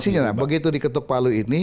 isinya begitu diketuk palu ini